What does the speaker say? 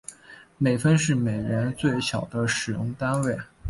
美分是美元最小的使用单位。